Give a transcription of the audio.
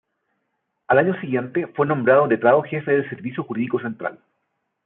Al año siguiente fue nombrado letrado jefe del Servicio Jurídico Central.